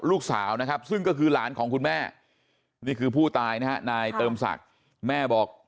ลูกสาวนะครับซึ่งก็คือหลานของคุณแม่นี่คือผู้ตายนะฮะนายเติมศักดิ์แม่บอก